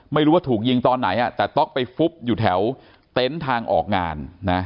ไม่รู้ว่าถูกยิงตอนไหนแต่ต๊อกไปฟุบอยู่แถวเต็นต์ทางออกงานนะ